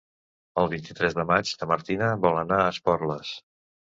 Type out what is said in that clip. El vint-i-tres de maig na Martina vol anar a Esporles.